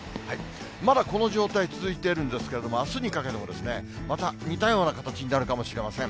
まだこの状態、続いているんですけれども、あすにかけても、また似たような形になるかもしれません。